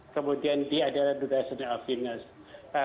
kemudian d adalah duration of illness